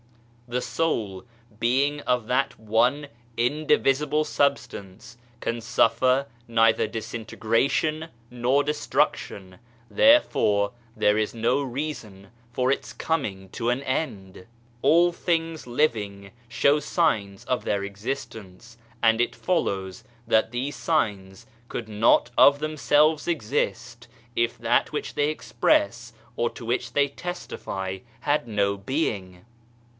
The Soul, being of that one indivisible substance, can suffer neither disintegration nor destruction, therefore there is no reason for its coming to an end. All things living show signs of their existence, and it follows that these signs could not of themselves exist if that which they express or to which they testify had no being.